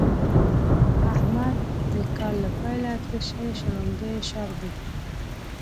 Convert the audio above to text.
احمد د کال له پيله تشې شلومبې شاربي.